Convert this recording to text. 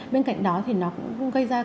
bên cạnh đó thì nó cũng gây ra